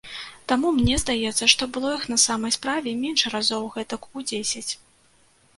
Таму мне здаецца, што было іх на самай справе менш разоў гэтак у дзесяць.